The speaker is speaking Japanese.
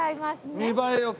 見栄え良く。